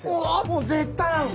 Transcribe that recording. もう絶対合うの。